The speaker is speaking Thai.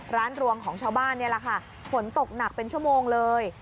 รวมของชาวบ้านนี่แหละค่ะฝนตกหนักเป็นชั่วโมงเลย